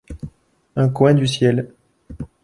Un coin du ciel.